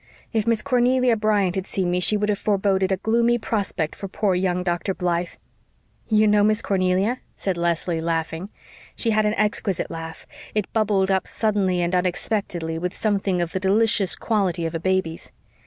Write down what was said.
If Miss Cornelia Bryant had seen me she would have forboded a gloomy prospect for poor young Dr. Blythe." "You know Miss Cornelia?" said Leslie, laughing. She had an exquisite laugh; it bubbled up suddenly and unexpectedly with something of the delicious quality of a baby's.